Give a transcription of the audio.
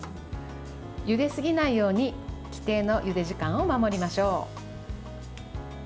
ゆですぎないように規定のゆで時間を守りましょう。